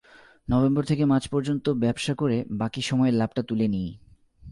November থেকে March পর্যন্ত ব্যবসা করে বাকি সময়ের লাভটা তুলে নিই।